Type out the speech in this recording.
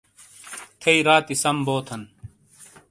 تھیئی راتی سم بو تھن۔